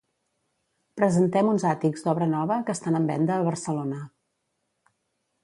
Presentem uns àtics d'obra nova que estan en venda a Barcelona.